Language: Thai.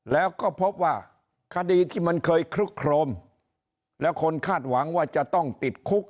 แล้วก็พบว่าคดีที่มันเคยคลึกโครมแล้วคนคาดหวังว่าจะต้องติดคุก